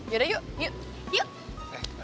yaudah yuk yuk yuk